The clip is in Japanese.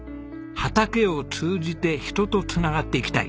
畑を通じて人とつながっていきたい。